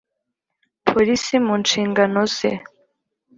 Polisi mu nshingano ze